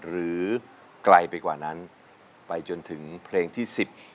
หรือไกลไปกว่านั้นไปจนถึงเพลงที่สิบ